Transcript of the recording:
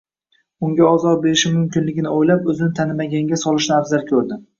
unga ozor berishi mumkinligini o'ylab o'zini tanimaganga solishni afzal ko'rdi.